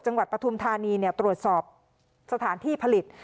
จังหวัดปทุมธานีเนี่ยตรวจสอบสถานที่ผลิต